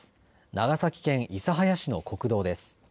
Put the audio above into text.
長崎県諫早市の国道です。